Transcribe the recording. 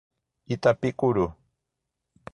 Itapicuru